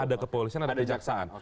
ada kepolisian ada kejaksaan